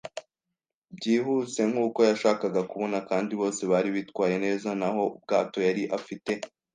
byihuse nkuko yashakaga kubona kandi bose bari bitwaye neza. Naho ubwato yari afite